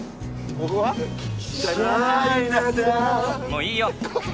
もういいよ！